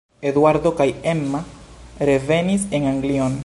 Eduardo kaj Emma revenis en Anglion.